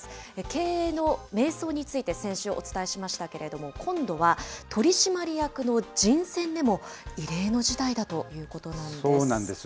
経営の迷走について、先週お伝えしましたけれども、今度は取締役の人選でも、そうなんです。